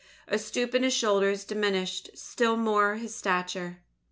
A stoop in his shoulders diminished still more his stature.